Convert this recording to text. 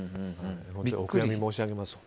お悔やみ申し上げます。